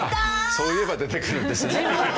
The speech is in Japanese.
そう言えば出てくるんですね。